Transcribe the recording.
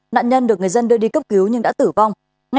nạn nhân được người dân đưa đi cấp cứu nhưng đã tử vong